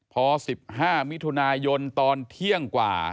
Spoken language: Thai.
พอ๑๕มิถุนายนตอนเที่ยงกว่า